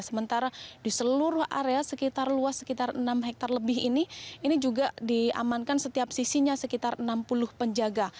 sementara di seluruh area sekitar luas sekitar enam hektare lebih ini ini juga diamankan setiap sisinya sekitar enam puluh penjaga